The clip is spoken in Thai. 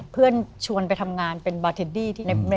เพื่อนชวนไปทำงานเป็นบาร์เทดดี้